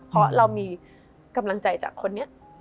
เพราะเรามีกำลังใจจากคนนี้